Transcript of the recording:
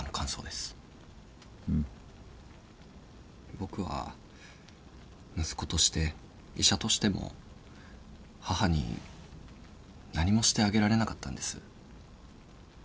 僕は息子として医者としても母に何もしてあげられなかったんです。